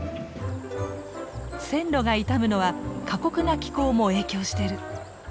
線路が傷むのは過酷な気候も影響してる。